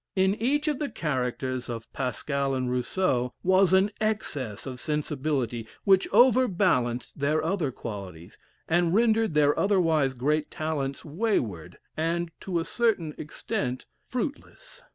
In each of the characters of Pascal and Rousseau, was an excess of sensibility, which overbalanced their other qualities, and rendered their otherwise great talents wayward, and, to a certain extent, fruitless.